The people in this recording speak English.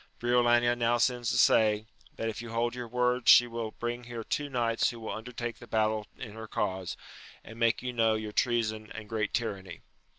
Briolania DOW sends to say, that if you hold your word she will bring here two knights who will undertake the battle in her cause, and make you know ^ow£ Xx^'^j^^'cl %sl^ 234 AMADIS OF GAUL. great tjn^nny.